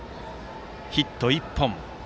ヒット１本。